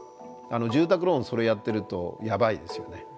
住宅ローンそれやってるとやばいですよね。